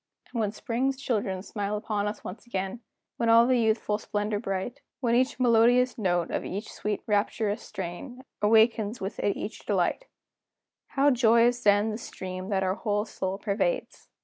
And when spring's children smile upon us once again, When all the youthful splendor bright, When each melodious note of each sweet rapturous strain Awakens with it each delight: How joyous then the stream that our whole soul pervades!